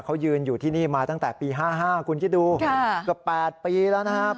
เขายืนอยู่ที่นี่มาตั้งแต่ปี๕๕คุณคิดดูเกือบ๘ปีแล้วนะครับ